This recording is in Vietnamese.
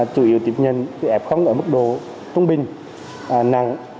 chủ yếu tiệp nhân bị ẹp khống ở mức độ trung bình nặng